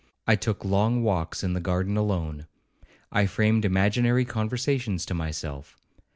I took long walks in the garden alone. I framed imaginary conversations to myself.